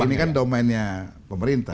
ini kan domennya pemerintah